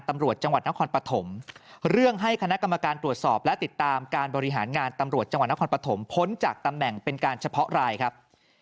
ตำรวจจังหวัดนครพันธมพ้นจากตำแหน่งเป็นการเฉพาะรายครับ